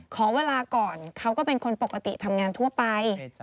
ขอเวลาก่อนเขาก็เป็นคนปกติทำงานทั่วไป